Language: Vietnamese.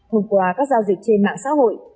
hôm qua các giao dịch trên mạng xã hội